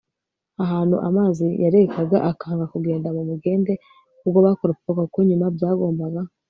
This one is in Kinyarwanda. ahantu amazi yarekaga akanga kugenda mu mugende ubwo bakoropaga, kuko nyuma byagombaga